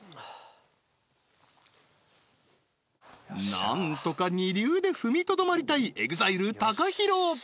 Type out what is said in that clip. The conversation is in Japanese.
なんとか二流で踏みとどまりたいＥＸＩＬＥＴＡＫＡＨＩＲＯ